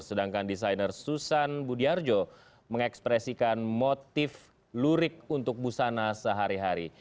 sedangkan desainer susan budiarjo mengekspresikan motif lurik untuk busana sehari hari